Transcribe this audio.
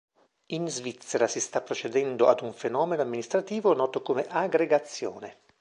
In Svizzera si sta procedendo ad un fenomeno amministrativo noto come "aggregazione".